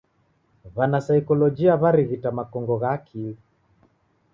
W'anasaikolojia w'arighita makongo gha akili.